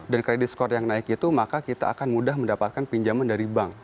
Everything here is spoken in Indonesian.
dan kredit skor yang naik itu maka kita akan mudah mendapatkan pinjaman dari bank